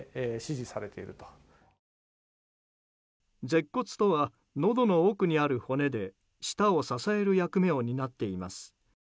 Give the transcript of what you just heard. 舌骨とはのどの奥にある骨で舌を支える役目を担っています。